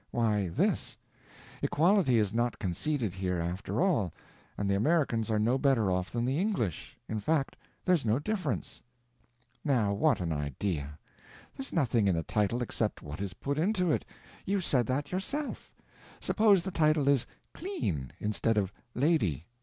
"Why this: equality is not conceded here, after all, and the Americans are no better off than the English. In fact there's no difference." "Now what an idea. There's nothing in a title except what is put into it—you've said that yourself. Suppose the title is clean, instead of lady.